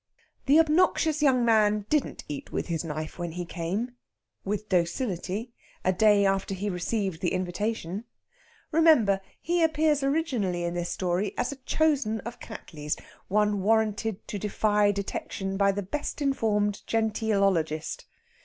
The obnoxious young man didn't eat with his knife when he came, with docility, a day after he received the invitation. Remember, he appears originally in this story as a chosen of Cattley's, one warranted to defy detection by the best informed genteelologist.